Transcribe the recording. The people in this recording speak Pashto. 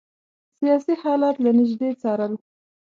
سیاسي حالات له نیژدې څارل.